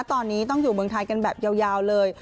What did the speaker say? ตอนนี้ต้องอยู่เมืองไทยกันแบบยาวเลย